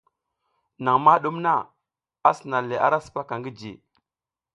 Naƞ ma ɗum na, a sina le ara sipaka ngi ji.